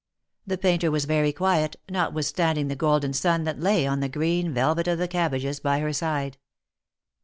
The painter was very quiet, notwithstanding the golden sun that lay on the green velvet of the cabbages by her side.